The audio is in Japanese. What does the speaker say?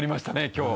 今日。